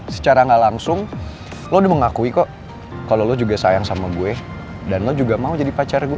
secara gak langsung lo udah mengakui kok kalau lo juga sayang sama gue dan lo juga mau jadi pacar gue